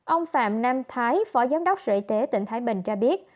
ông phạm nam thái phó giám đốc sở y tế tỉnh thái bình cho biết